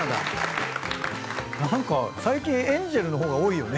何か最近エンジェルの方が多いよね。